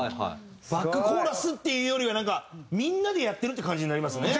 バックコーラスっていうよりはなんかみんなでやってるっていう感じになりますね。